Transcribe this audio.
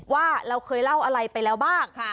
ว่าเราเคยเล่าอะไรไปแล้วบ้าง